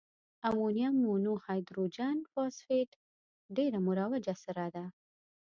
امونیم مونو هایدروجن فاسفیټ ډیره مروجه سره ده.